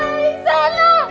me me janganuntuk